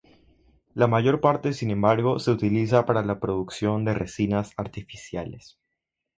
La mayor parte sin embargo se utiliza para la producción de resinas artificiales.